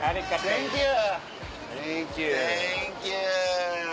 サンキュー。